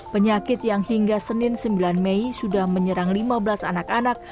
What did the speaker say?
penyakit yang hingga senin sembilan mei sudah menyerang lima belas anak anak